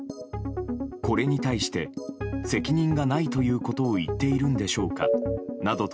これに対して責任がないということを言っているんでしょうかなどと